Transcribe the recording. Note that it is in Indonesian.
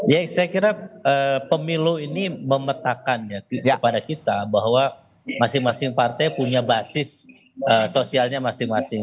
ya saya kira pemilu ini memetakan ya kepada kita bahwa masing masing partai punya basis sosialnya masing masing